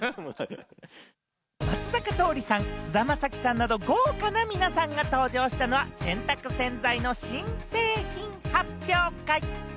松坂桃李さん、菅田将暉さんなど豪華な皆さんが登場したのは、洗濯洗剤の新製品発表会。